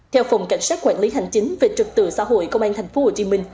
theo phòng cảnh sát quản lý hành chính về trật tự xã hội công an tp hcm